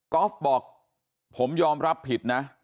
อล์ฟบอกผมยอมรับผิดนะ